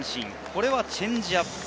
これはチェンジアップ。